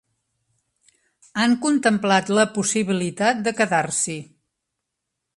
Han contemplat la possibilitat de quedar-s'hi.